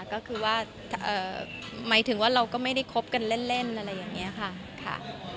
ก็คือว่าหมายถึงว่าเราก็ไม่ได้คบกันเล่นอะไรอย่างนี้ค่ะ